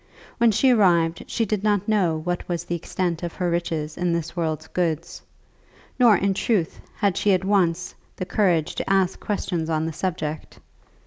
When she arrived she did not know what was the extent of her riches in this world's goods; nor, in truth, had she at once the courage to ask questions on the subject.